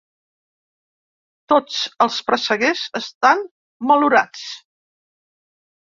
Tots els presseguers estan malurats.